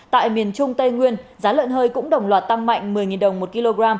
tại miền trung tây nguyên giá lợn hơi cũng đồng loạt tăng mạnh một mươi đồng một kg